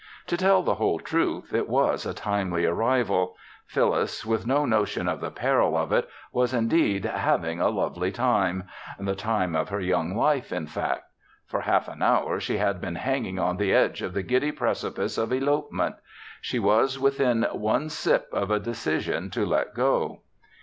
To tell the whole truth, it was a timely arrival. Phyllis, with no notion of the peril of it, was indeed having "a lovely time" the time of her young life, in fact. For half an hour, she had been hanging on the edge of the giddy precipice of elopement. She was within one sip of a decision to let go.